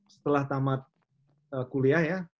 setelah tamat kuliah ya